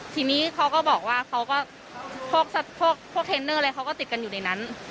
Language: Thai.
ทีนี้เขาก็บอกว่าเขาก็พวกเทรนเนอร์อะไรเขาก็ติดกันอยู่ในนั้น